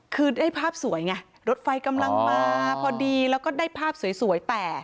คือได้ภาพสวยไงรถไฟกำลังมาพอดีแล้วก็ได้ภาพสวยแตก